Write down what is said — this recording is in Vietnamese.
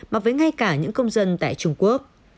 mà với ngay cả những công dân tại trung quốc